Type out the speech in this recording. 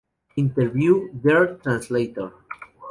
Interview; Dear Translator".